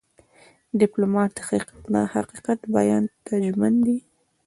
ډيپلومات د حقیقت بیان ته ژمن دی.